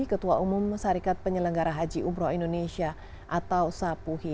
ketua umum sarikat penyelenggara haji umroh indonesia atau sapuhi